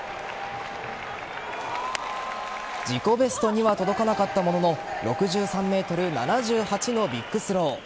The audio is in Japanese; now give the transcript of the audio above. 自己ベストには届かなかったものの６３ｍ７８のビッグスロー。